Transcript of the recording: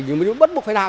nhưng mà bất mục phải làm